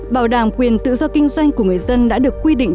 bảo đảm quyền tự do kinh doanh của người dân đã được quy định